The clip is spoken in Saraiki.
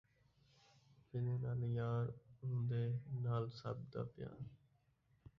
جین٘دے نال یار، اون٘دے نال سب دا پیار